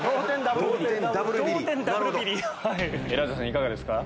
いかがですか？